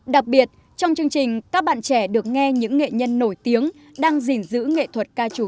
đặc biệt trong chương trình các bạn trẻ được nghe những nghệ nhân nổi tiếng đang gìn giữ nghệ thuật ca trù